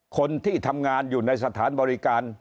คนที่ทำงานอยู่ในสถานบริการ